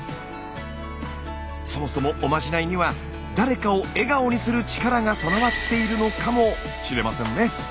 そもそもおまじないには誰かを笑顔にする力が備わっているのかもしれませんね。